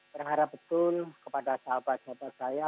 berharap betul kepada sahabat sahabat saya